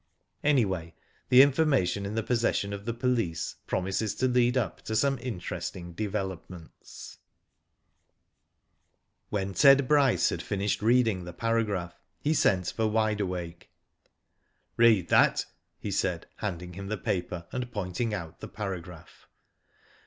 Anyway, the information in the possession of the police promises to lead up to pome interesting developments." Digitized byGoogk i88 WHO DID IT? When Ted Bryce had finished reading the paragraph he sent for Wide Awake. " Read that," he said, handing him the paper and pointing out the paragraph.